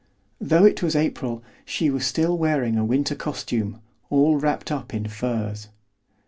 Though it was April, she was still wearing a winter costume, all wrapped up in furs.